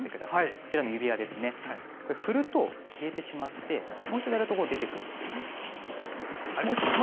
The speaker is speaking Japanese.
こちらの指輪ですが振ると、消えてしまってもう一度やると出てくるという。